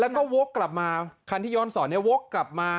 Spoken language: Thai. แล้วก็วกกลับมาคันที่ย้อนสอนวกกลับมา